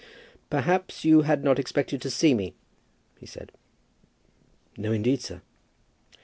"Perhaps you had not expected to see me?" he said. "No, indeed, sir."